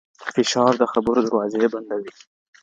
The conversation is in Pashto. فشار د خبرو دروازې بندوي.